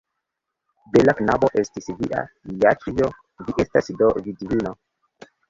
Bela knabo estis via Jaĉjo; vi estas do vidvino!